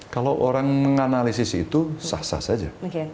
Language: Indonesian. kalau orang menganalisis itu sah sah saja